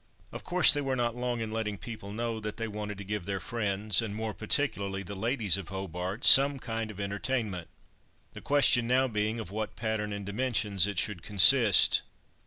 Of course, they were not long in letting people know that they wanted to give their friends, and more particularly the ladies of Hobart, some kind of entertainment; the question now being of what pattern and dimensions it should consist.